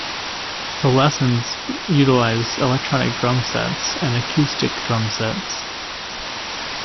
The lessons utilize electronic drumsets and acoustic drumsets.